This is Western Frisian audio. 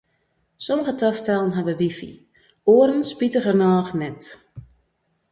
Sommige tastellen hawwe wifi, oaren spitigernôch net.